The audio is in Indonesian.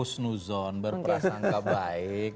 kita berprasangka baik